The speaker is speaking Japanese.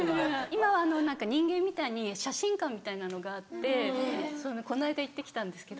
今は人間みたいに写真館みたいなのがあってこの間行ってきたんですけど。